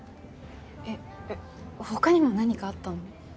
え他にも何かあったの？